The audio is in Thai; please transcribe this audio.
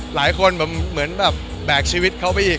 หลายคนแบบแบกชีวิตเขาไปอีก